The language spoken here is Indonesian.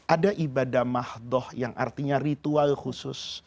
ada ibadah mahdoh yang artinya ritual khusus